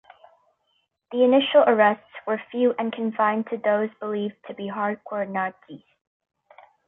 The initial arrests were few and confined to those believed to be hard-core Nazis.